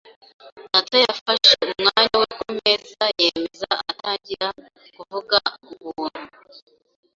Data yafashe umwanya we kumeza yameza atangira kuvuga ubuntu.